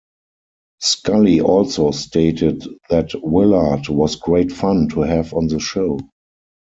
Scully also stated that Willard was "great fun" to have on the show.